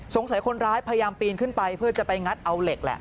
คนร้ายพยายามปีนขึ้นไปเพื่อจะไปงัดเอาเหล็กแหละ